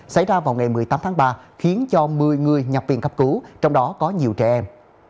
xảy ra vào ngày một mươi tám tháng ba khiến cho một mươi người nhập viện cấp cứu trong đó có nhiều trẻ em